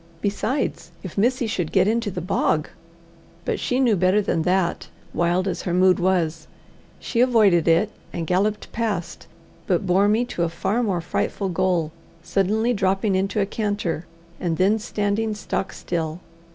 Besides, if Missy should get into the bog! But she knew better than that, wild as her mood was. She avoided it, and galloped past, but bore me to a far more frightful goal, suddenly dropping into a canter, and then standing stock still.